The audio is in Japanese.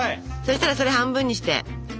そしたらそれ半分にして。